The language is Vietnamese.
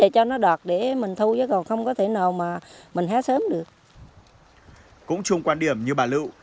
cũng chung quan điểm như bà lựu